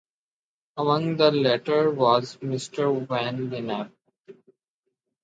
Among the latter was Mister Van Lennep.